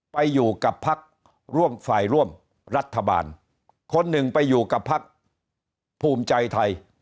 ไปอยู่กับพักร่วมฝ่ายร่วมรัฐบาลคนหนึ่งไปอยู่กับพักภูมิใจไทย